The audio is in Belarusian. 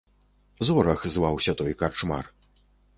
Зорах зваўся той карчмар.